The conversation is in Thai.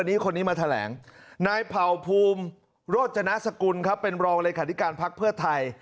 นี่คนนี้มาแถลงนายเผ่าภูมิโรจนะสกุลครับเป็นรองเลขาธิการพักเพื่อไทย